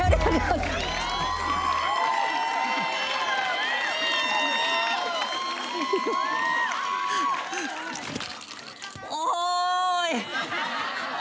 เดี๋ยว